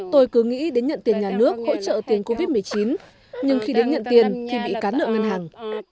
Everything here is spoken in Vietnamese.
tôi cứ nghĩ đến nhận tiền nhà nước hỗ trợ tiền covid một mươi chín nhưng khi đến nhận tiền thì bị cán nợ ngân hàng